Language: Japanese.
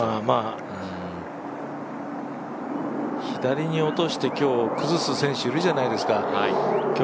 左に落として今日崩す選手いるじゃないですか。